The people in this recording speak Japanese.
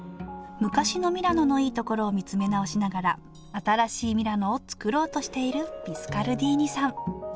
昔のミラノのいいところを見つめ直しながら新しいミラノをつくろうとしているビスカルディーニさん